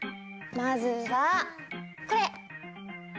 まずはこれ！